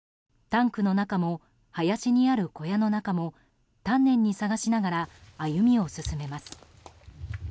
タンクの中も林にある小屋の中も丹念に捜しながら歩みを進めます。